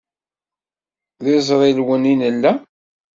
D iẓrilwen i nella.